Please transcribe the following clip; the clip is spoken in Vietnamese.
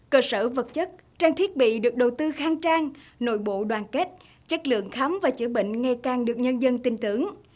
cơ sở vật chất trang thiết bị được đầu tư khang trang nội bộ đoàn kết chất lượng khám và chữa bệnh ngày càng được nhân dân tin tưởng